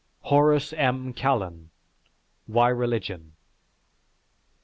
(_Horace M. Kallen: "Why Religion."